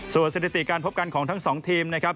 ส่วนเศรษฐีการพบกันของทั้ง๒ทีมนะครับ